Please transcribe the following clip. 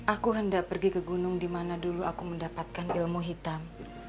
aku hendak pergi ke gunung di mana dulu aku mendapatkan ilmu hitam